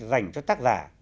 dành cho tác giả